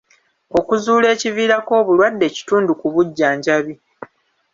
Okuzuula ekiviirako obulwadde kitundu ku bujjanjabi.